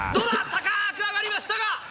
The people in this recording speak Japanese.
高ーく上がりましたが。